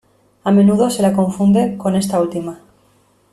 A menudo se la confunde con esta última.